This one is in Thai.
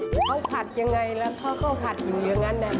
เขาผัดยังไงแล้วเขาก็ผัดอยู่อย่างนั้น